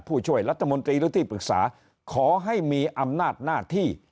ผู้ช่วยรัฐมนตรีหรือที่ปรึกษาขอให้มีอำนาจหน้าที่